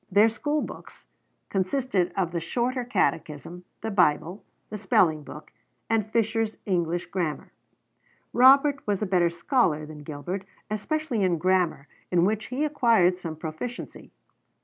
Their school books consisted of the Shorter Catechism, the Bible, the spelling book, and Fisher's 'English Grammar.' Robert was a better scholar than Gilbert, especially in grammar, in which he acquired some proficiency.